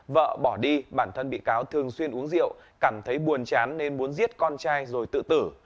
vợ bỏ đi bản thân bị cáo thường xuyên uống rượu cảm thấy buồn chán nên muốn giết con trai rồi tự tử